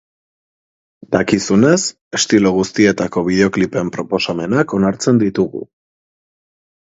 Dakizunez, estilo guztietako bideoklipen proposamenak onartzen ditugu.